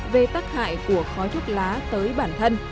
về tác hại của khói thuốc lá tới bản thân